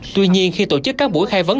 tuy nhiên khi tổ chức các buổi khai vấn